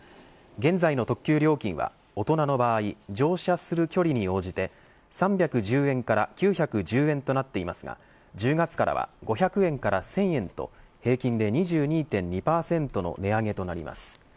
現在の特急料金は大人の場合乗車する距離に応じて３１０円から９１０円となっていますが１０月から５００円と１０００円と平均で２２．２％の値上げとなります。